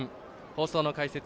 放送の解説